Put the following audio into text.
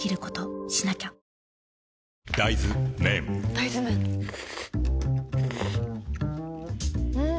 大豆麺ん？